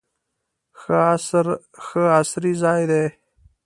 ښه عصري ځای دی.